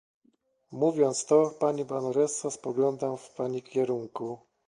Mówiąc to, pani baronesso, spoglądam w pani kierunku